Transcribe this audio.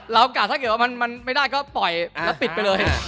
โอกาสถ้าเกิดว่ามันไม่ได้ก็ปล่อยแล้วปิดไปเลย